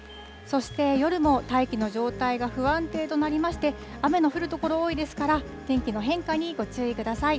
そして夜も、大気の状態が不安定となりまして、雨の降る所多いですから、天気の変化にご注意ください。